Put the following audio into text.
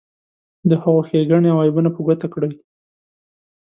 د هغو ښیګڼې او عیبونه په ګوته کړئ.